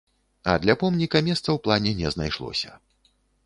А для помніка месца ў плане не знайшлося.